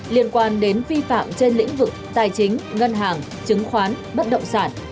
liên quan đến vi phạm trên lĩnh vực tài chính ngân hàng chứng khoán bất động sản